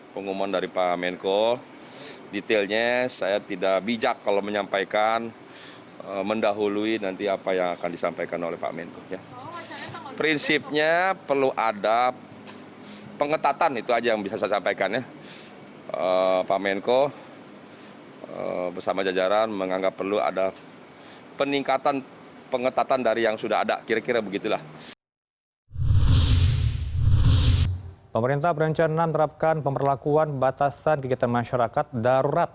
pemerintah berencana menerapkan pemperlakuan batasan kegiatan masyarakat darurat